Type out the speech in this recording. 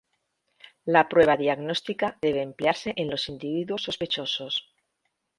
La prueba diagnóstica debe emplearse en los individuos sospechosos.